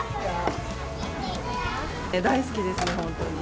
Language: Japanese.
大好きですね、本当に。